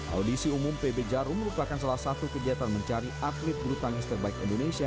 audisi umum pb jarum merupakan salah satu kegiatan mencari atlet bulu tangis terbaik indonesia